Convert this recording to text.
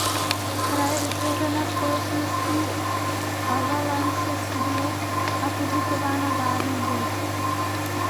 Hra je vytvořena společností Avalanche Studios a publikována Warner Bros.